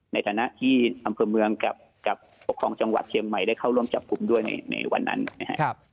ในฐานะที่อำเภอเมืองกับปกครองจังหวัดเชียงใหม่ได้เข้าร่วมจับกลุ่มด้วยในวันนั้นนะครับ